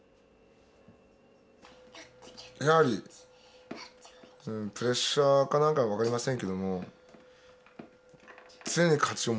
やはりプレッシャーか何か分かりませんけども常に勝ちを求められている。